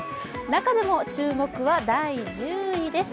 中でも注目は第１０位です。